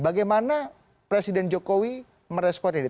bagaimana presiden jokowi merespon ini